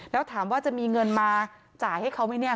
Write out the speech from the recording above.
แล้วถามว่าจะมีเงินมาจ่ายให้เขาไหมเนี่ย